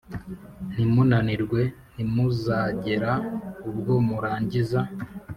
ntimunanirwe, ntimuzagera ubwo murangiza.